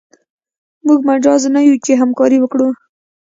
موږ مجاز نه یو چې همکاري وکړو.